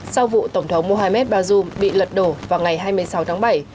sau vụ tổng thống mohamed bazoum bị lật đổ vào ngày hai mươi sáu tháng bảy